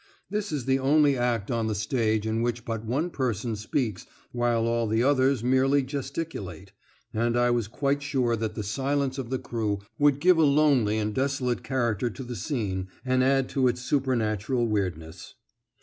This is the only act on the stage in which but one person speaks while all the others merely gesticulate, and I was quite sure that the silence of the crew would give a lonely and desolate character to the scene and add its to supernatural weirdness.